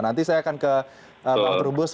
nanti saya akan ke bang terubus